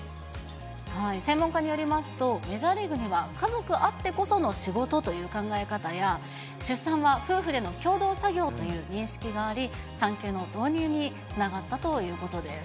専門家によりますと、メジャーリーグには家族あってこその仕事という考え方や、出産は夫婦での共同作業という認識があり、産休の導入につながったということです。